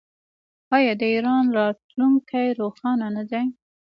آیا د ایران راتلونکی روښانه نه دی؟